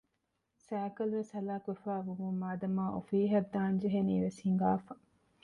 ސައިކަލްވެސް ހަލާކުވެފައި ވުމުން މާދަމާ އޮފީހަށް ދާން ޖެހެނީވެސް ހިނގާފަ